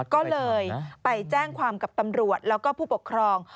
ก็เลยไปแจ้งความกับตำรวจแล้วก็ผู้ปกครอง